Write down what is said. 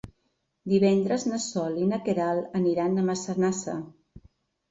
Divendres na Sol i na Queralt aniran a Massanassa.